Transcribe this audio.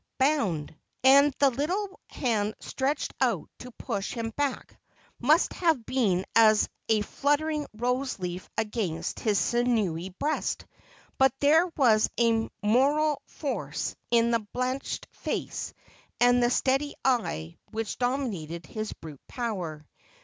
bound ; and the little hand stretched out to push him back must have been as a fluttering rose leaf against his sinewy breast ; but there was a moral force in the blanched face and the steady eye which dominated his brute power.